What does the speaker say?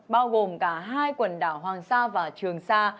bao gồm cả hai quần đảo hoàng sa và trường sa